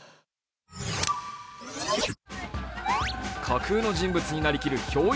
架空の人物になりきるひょう